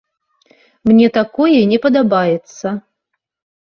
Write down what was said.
Мне такое не падабаецца.